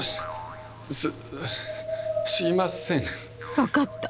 分かった。